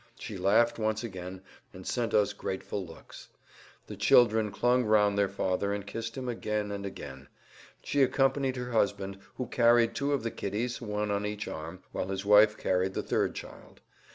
She laughed, once again perhaps in a long time, and sent us grateful looks. The children clung round their father and kissed him again and again. She accompanied her husband, who carried two of the kiddies, one on each arm, while his wife carried the third child.